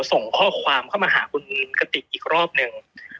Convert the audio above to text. ส่งข้อความเข้ามาหาคุณมีนกติกอีกรอบหนึ่ง